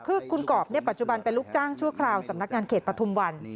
คือคุณกรอบปัจจุบันเป็นลูกจ้างชั่วคราวสำนักงานเขตปฐุมวัน